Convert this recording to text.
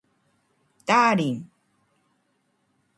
ダーリン